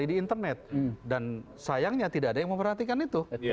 dan sayangnya tidak ada yang memperhatikan itu